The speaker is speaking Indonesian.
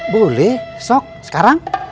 boleh esok sekarang